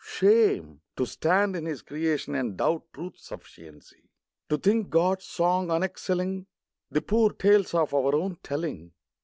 Shame ! to stand in His creation And doubt Truth's sufficiency! To think God's song unexcelling The poor tales of our own telling.